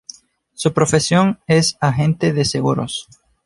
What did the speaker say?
Su profesión es agente de seguros.